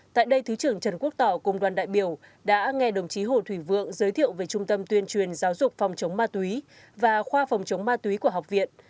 tại đây thứ trưởng trần quốc tỏ cùng đoàn đại biểu đã nghe đồng chí hồ thủy vượng giới thiệu về trung tâm tuyên truyền giáo dục phòng chống ma túy và khoa phòng chống ma túy của học viện